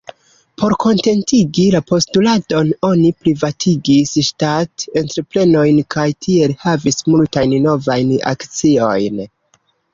Por kontentigi la postuladon oni privatigis ŝtat-entreprenojn kaj tiel havis multajn novajn akciojn.